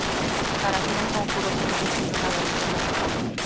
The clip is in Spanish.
Para hacer un conjuro, se necesita una varita mágica.